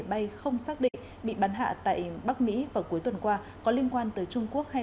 bay không xác định bị bắn hạ tại bắc mỹ vào cuối tuần qua có liên quan tới trung quốc hay